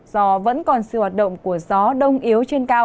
do vẫn còn siêu hoạt động của gió đông yếu trên cao